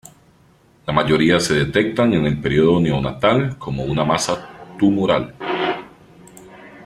La mayoría se detectan en el período neonatal como una masa tumoral.